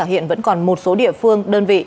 hiện vẫn còn một số địa phương đơn vị